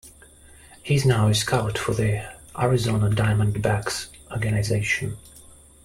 He is now a scout for the Arizona Diamondbacks organization.